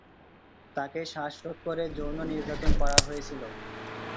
তাকে শ্বাসরোধ করে যৌন নির্যাতন করা হয়েছিল।